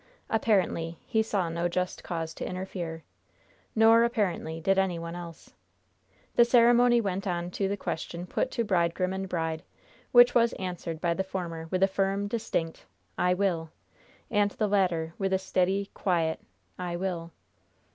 Apparently he saw no just cause to interfere; nor, apparently, did any one else. The ceremony went on to the question put to bridegroom and bride, and which was answered by the former with a firm, distinct "I will." And the latter with a steady, quiet "I will."